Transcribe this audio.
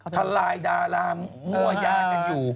ทลายดารามั่วยายกันอยู่